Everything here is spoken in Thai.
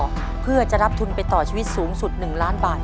เพื่อจะรับทุนไปต่อชีวิตสูงสุด๑ล้านบาท